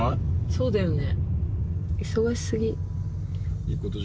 そうだよね？